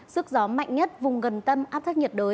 sức gió mạnh nhất vùng gần tâm áp thấp nhiệt đới